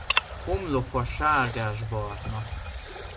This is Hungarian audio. Homloka sárgásbarna.